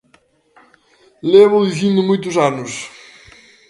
Lévoo dicindo moitos anos.